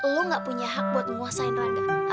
lo gak punya hak buat menguasain rangga